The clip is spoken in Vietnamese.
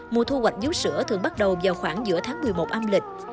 mùa thu hoạch dú sữa thường bắt đầu vào khoảng giữa tháng một mươi một âm lịch